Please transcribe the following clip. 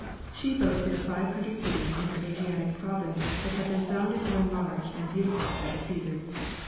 She boasted of five hundred cities in her Asiatic province that had been founded or enlarged and beautified by the Caesars.